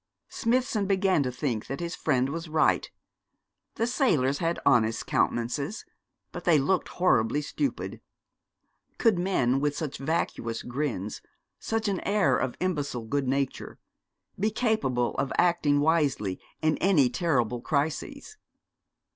Smithson began to think that his friend was right. The sailors had honest countenances, but they looked horribly stupid. Could men with such vacuous grins, such an air of imbecile good nature, be capable of acting wisely in any terrible crisis?